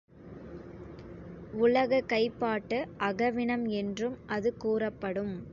உலக கைப்பாட்டு, அகவினம் என்றும் அது கூறப்படும்.